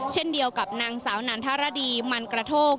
เช่นเดียวกับนางสาวนันทรดีมันกระโทก